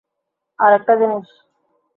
আর একটা জিনিস।